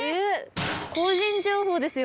個人情報ですよ